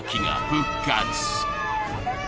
復活！